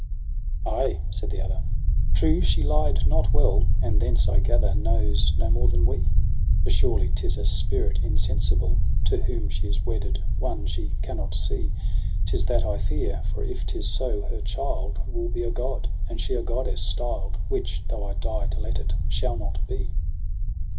' Ay,' said the other, ' true, she lied not well j And thence I gather knows no more than we : For surely 'tis a spirit insensible To whom she is wedded, one she cannot see. 'Tis that I fear • for if 'tis so, her child Will be a god, and she a goddess styled. Which, though I die to let it, shall not be.